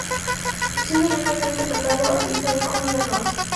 Su hijo Jeremy actuó interpretando a su hijo en "Carry On Nurse".